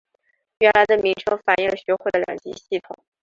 原来的名称反应了学会的两级系统。